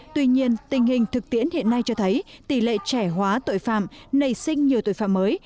tuy nhiên tình hình thực tiễn hiện nay cho thấy tỷ lệ trẻ hóa tội phạm nảy sinh nhiều tội phạm mới